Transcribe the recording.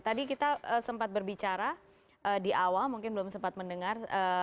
tadi kita sempat berbicara di awal mungkin belum sempat mendengar